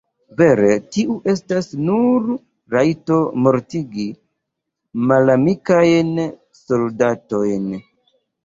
Vere tiu estas nur rajto mortigi malamikajn soldatojn.